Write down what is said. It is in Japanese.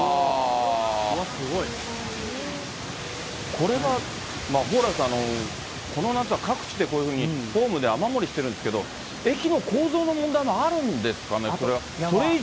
これは、蓬莱さん、この夏は各地でこういうふうにホームで雨漏りしてるんですけども、駅の構造の問題もあるんですかね、これは。